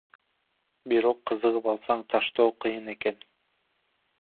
Бирок кызыгып алсаң таштоо кыйын экен.